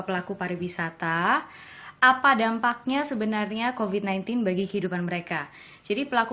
pelaku pariwisata apa dampaknya sebenarnya kofit sembilan belas bagi kehidupan mereka jadi pelaku